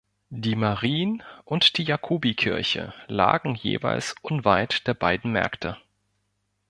Die Marien- und die Jakobikirche lagen jeweils unweit der beiden Märkte.